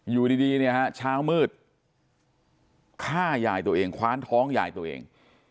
อยู่ดีเนี่ยฮะเช้ามืดฆ่ายายตัวเองคว้านท้องยายตัวเอง